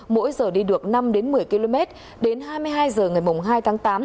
mỗi giờ đi được năm đến một mươi km đến hai mươi hai giờ ngày mùng hai tháng tám